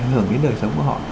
ảnh hưởng đến đời sống của họ